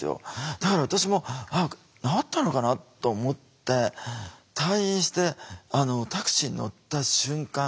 だから私も「あっ治ったのかな」と思って退院してタクシーに乗った瞬間